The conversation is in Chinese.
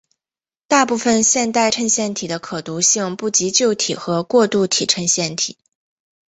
大部分现代衬线体的可读性不及旧体和过渡体衬线体。